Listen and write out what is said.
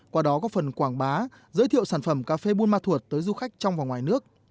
qua đó có phần quảng bá giới thiệu sản phẩm cà phê buôn ma thuột tới du khách trong và ngoài nước